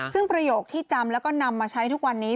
ซึ่งประโยคที่จำแล้วก็นำมาใช้ทุกวันนี้